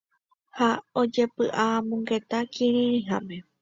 Ha ojepy'amongeta kirirĩháme.